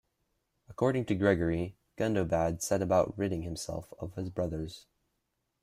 According to Gregory, Gundobad set about ridding himself of his brothers.